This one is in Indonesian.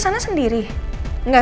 udah dulu ya